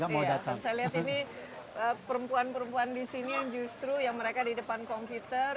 saya lihat ini perempuan perempuan di sini yang justru yang mereka di depan komputer